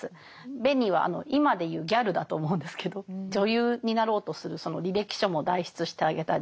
ベニは今で言うギャルだと思うんですけど女優になろうとするその履歴書も代筆してあげたり。